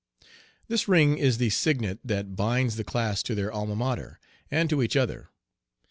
This ring is the signet that binds the class to their Alma Mater, and to each other.